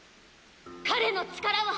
彼の力は！